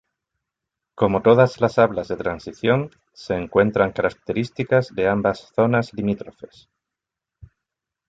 Como todas las hablas de transición, se encuentran características de ambas zonas limítrofes.